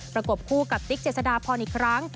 ประกบคู่กับติ๊กเจษฎาพรอีกครั้ง